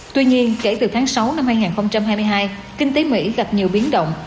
tuy nhiên kể từ tháng sáu năm hai nghìn hai mươi hai kinh tế mỹ gặp nhiều biến động